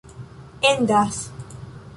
endas